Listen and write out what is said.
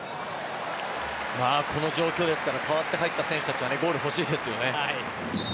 この状況ですから代わって入った選手たちはゴール欲しいですよね。